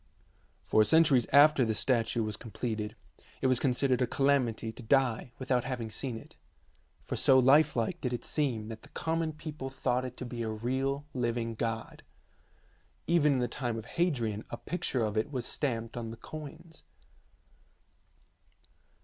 For centuries after the statue was completed it was considered a calamity to die without having seen it, for so lifelike did it seem that the common people thought it to be a real living god. Even in the time of Hadrian a picture of it was stamped on the coins.